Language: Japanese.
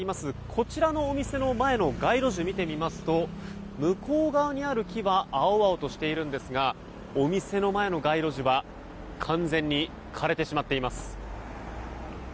こちらのお店の前の街路樹を見てみますと向こう側にある木は青々としているんですがお店の前の街路樹は完全に枯れてしまっています。